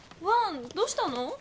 ワンどうしたの？